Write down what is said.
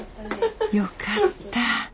よかった。